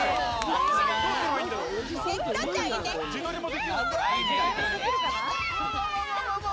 自撮りもできるのかな？